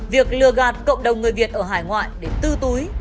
việc lừa gạt cộng đồng người việt ở hải ngoại để tư túi